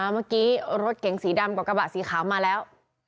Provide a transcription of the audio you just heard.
เมื่อกี้รถเก๋งสีดำกับกระบะสีขาวมาแล้ว